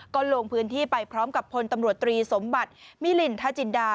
ก็ลงพื้นที่ไปพร้อมกับพลตำรวจตรีสมบัติมิลินทจินดา